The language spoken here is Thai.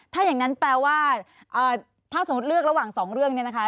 ถ้าอย่างนั้นแปลว่าถ้าสมมุติเลือกระหว่างสองเรื่องเนี่ยนะคะ